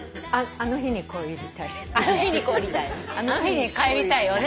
『あの日にかえりたい』よね？